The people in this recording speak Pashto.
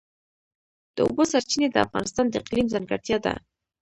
د اوبو سرچینې د افغانستان د اقلیم ځانګړتیا ده.